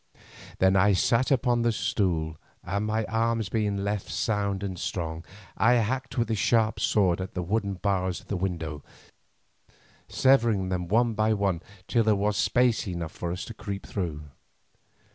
Then I sat upon the stool, and my arms being left sound and strong, I hacked with the sharp sword at the wooden bars of the window, severing them one by one till there was a space big enough for us to creep through.